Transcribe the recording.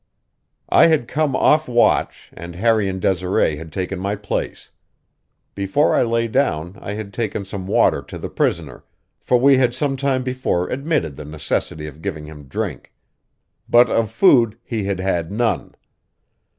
I had come off watch, and Harry and Desiree had taken my place. Before I lay down I had taken some water to the prisoner, for we had some time before admitted the necessity of giving him drink. But of food he had had none.